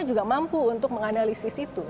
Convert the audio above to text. juga mampu untuk menganalisis itu